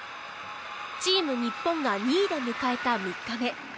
チーム日本が２位で迎えた３日目。